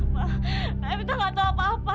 mama saya tidak mau tahu apa apa